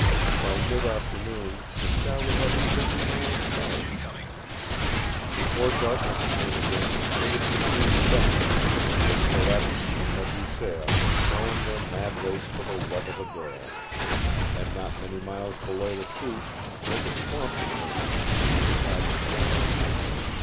By mid afternoon the scow would have a fifty mile start. Before darkness came again they would be through the Death Chute, where Follette and Ladouceur swam their mad race for the love of a girl. And not many miles below the Chute was a swampy country where he could hide the scow.